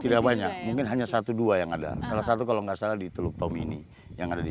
tidak banyak mungkin hanya satu dua yang ada salah satu kalau nggak salah di teluk tom ini yang ada di